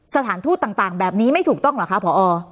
สถานทูตต่างแบบนี้ไม่ถูกต้องเหรอคะพอ